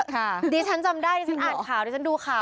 ทีนี้ฉันจำได้